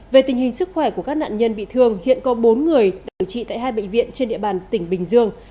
về tình hình sức khỏe của các nạn nhân bị thương hiện có bốn người điều trị tại hai bệnh viện trên địa bàn tỉnh bình dương